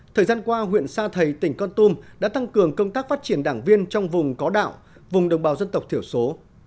thời gian qua huyện sa thầy tỉnh con tum đã tăng cường công tác phát triển đảng viên trong vùng có đạo vùng đồng bào dân tộc thiểu số